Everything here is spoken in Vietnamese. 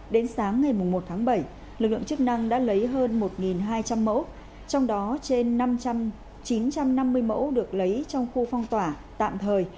đến sáng ngày một tháng bảy lực lượng chức năng đã lấy hơn một hai trăm linh mẫu trong đó trên năm chín trăm năm mươi mẫu được lấy trong khu phong tỏa tạm thời